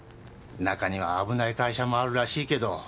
中には危ない会社もあるらしいけど。